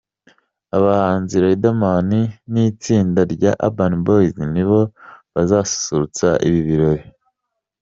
Abahanzi Riderman n’itsinda rya Urban boys nibo bazasusurutsa ibi birori .